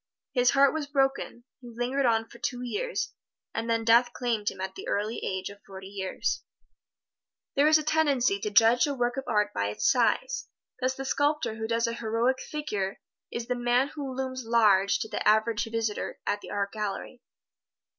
His heart was broken; he lingered on for two years, and then death claimed him at the early age of forty years. There is a tendency to judge a work of art by its size. Thus the sculptor who does a "heroic figure" is the man who looms large to the average visitor at the art gallery.